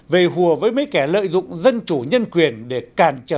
về hùa với mấy kẻ lợi dụng dân chủ nhân quyền để càn trở